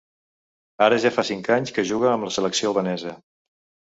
Ara ja fa cinc anys que juga amb la selecció albanesa.